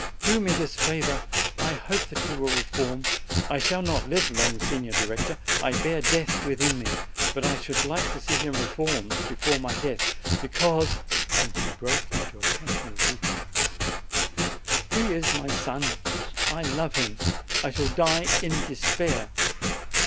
Do me this favor! I hope that he will reform. I shall not live long, Signor Director; I bear death within me; but I should like to see him reformed before my death, because" and she broke into a passion of weeping "he is my son I love him I shall die in despair!